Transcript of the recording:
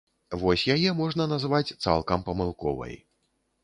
Вось яе можна назваць цалкам памылковай.